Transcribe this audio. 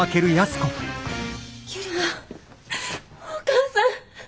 お母さん！